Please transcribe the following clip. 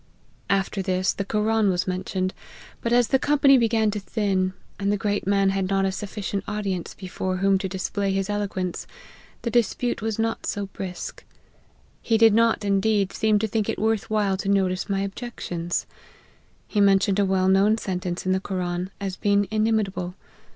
" After this, the Koran was mentioned ; but as the company began to thin, and the great man had not a sufficient audience before whom to display his eloquence, the dispute was not so brisk. He did not, indeed, seem to think it worth while to notice my objections. He mentioned a well known sentence in the Koran, as being inimitable.